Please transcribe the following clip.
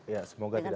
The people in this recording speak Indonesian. ya semoga tidak ada